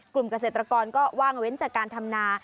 เกษตรกรก็ว่างเว้นจากการทำนา